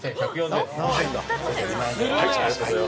はい。